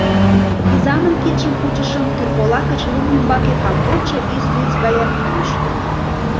Изамын кидшым кучышым — тӱрволак гыч лум ӱмбаке камвочшо ийсӱс гаяк йӱштӧ.